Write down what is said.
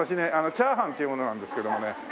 チャーハンっていう者なんですけどもね。